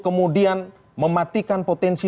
kemudian mematikan potensi